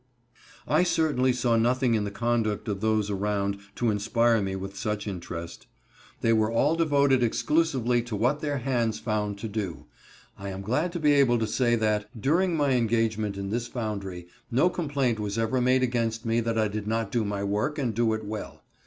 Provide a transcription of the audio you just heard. I certainly saw nothing in the conduct of those around to inspire me with such interest: they were all devoted exclusively to what their hands found to do. I am glad to be able to say that, during my engagement in this foundry, no complaint was ever made against me that I did not do my work, and do it well.